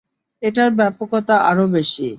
এটার ব্যাপকতা আরো বেশি।